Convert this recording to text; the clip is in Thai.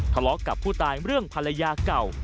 ทะเลาะกับผู้ตายเรื่องภรรยาเก่า